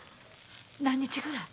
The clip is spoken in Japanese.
何日ぐらい？